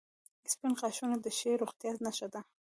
• سپین غاښونه د ښې روغتیا نښه ده.